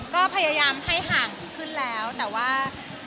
ก็พยายามให้ห่างขึ้นแล้วแต่ว่า